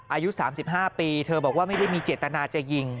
อายุ๓๕ปีเธอบอกว่าไม่ได้มีเจตนาจะยิง